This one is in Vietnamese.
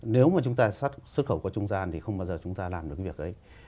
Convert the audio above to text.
nếu mà chúng ta xuất khẩu qua trung gian thì không bao giờ chúng ta làm được việc ấy